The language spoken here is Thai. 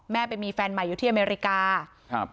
แม่เป็นมีแฟนใหม่อยู่ที่อเมริกา